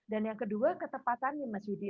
dan yang kedua ketepatan nih mas yudi